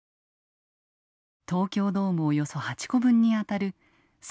東京ドームおよそ８個分にあたる３７